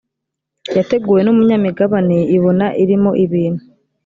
yateguwe n umunyamigabane ibona irimo ibintu